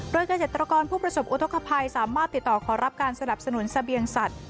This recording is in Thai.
โดยเกษตรกรผู้ประสบอุทธกภัยสามารถติดต่อขอรับการสนับสนุนเสบียงสัตว